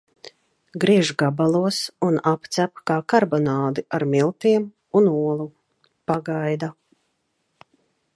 Griež gabalos un apcep kā karbonādi ar miltiem un olu. Pagaida.